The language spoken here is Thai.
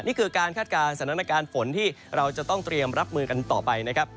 นี่คือการคาดการณ์สถานการณ์ฝนที่เราจะต้องเตรียมรับมือกันต่อไปนะครับ